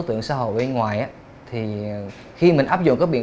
nhưng đi đâu làm gì thì mình không biết